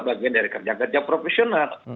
bagian dari kerja kerja profesional